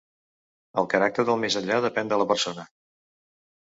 El caràcter del més enllà depèn de la persona.